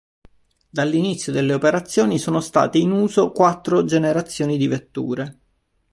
Dall'inizio delle operazioni sono state in uso quattro generazioni di vetture.